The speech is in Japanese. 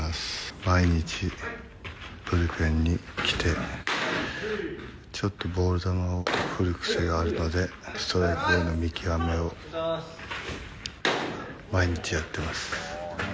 毎日、ブルペンに来て、ちょっとボールゾーンを振る癖があるので、ストライクボールの見極めを、毎日やってます。